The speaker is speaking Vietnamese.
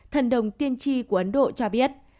thần đồng tiên tri của ấn độ cho biết